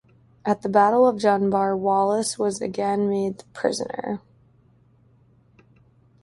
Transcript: At the Battle of Dunbar Wallace was again made prisoner.